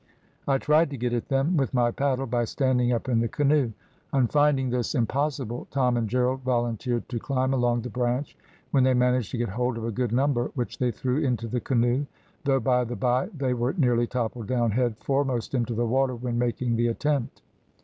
I tried to get at them with my paddle by standing up in the canoe. On finding this impossible, Tom and Gerald volunteered to climb along the branch, when they managed to get hold of a good number, which they threw into the canoe, though, by the bye, they very nearly toppled down head foremost into the water when making the attempt.